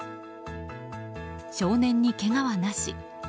少年に、けがはなし。